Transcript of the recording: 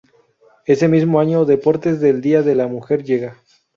Ese mismo año, Deportes del Día de la Mujer llega.